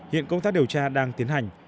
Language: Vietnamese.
hiện công tác điều tra đang tiến hành